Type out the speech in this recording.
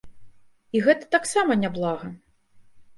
І гэта таксама няблага.